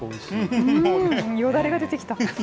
よだれが出てきた。